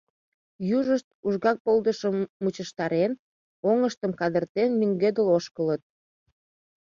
Южышт, ужга полдышым мучыштарен, оҥыштым кадыртен лӱҥгедыл ошкылыт.